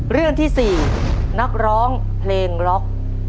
เรื่องที่๔นักร้องเพลงล็อก